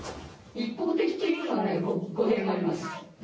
一方的というのは語弊があります。